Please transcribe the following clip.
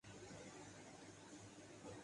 ‘وہ ویسے ہی رہیں گے۔